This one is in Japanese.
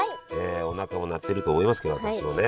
おなかも鳴ってると思いますけど私もね。